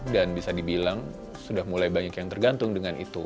bisa dibilang sudah mulai banyak yang tergantung dengan itu